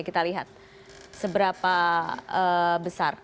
kita lihat seberapa besar